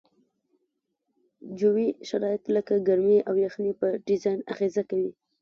جوي شرایط لکه ګرمي او یخنۍ په ډیزاین اغیزه کوي